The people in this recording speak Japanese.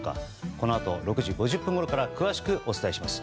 このあと、６時５０分ごろから詳しくお伝えします。